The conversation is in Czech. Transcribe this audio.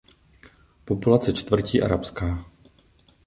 Populace čtvrti je arabská.